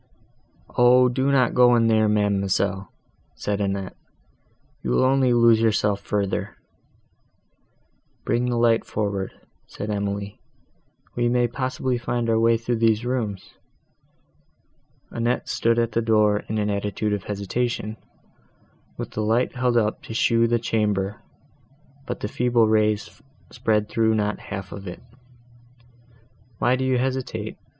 "O! do not go in there, ma'amselle," said Annette, "you will only lose yourself further." "Bring the light forward," said Emily, "we may possibly find our way through these rooms." Annette stood at the door, in an attitude of hesitation, with the light held up to show the chamber, but the feeble rays spread through not half of it. "Why do you hesitate?"